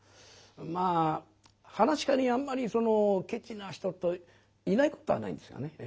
まあ噺家にあんまりそのケチな人といないことはないんですがね。